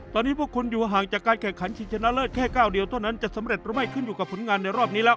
ตอนนี้พวกคุณอยู่ห่างจากการแข่งขันชิงชนะเลิศแค่ก้าวเดียวเท่านั้นจะสำเร็จหรือไม่ขึ้นอยู่กับผลงานในรอบนี้แล้ว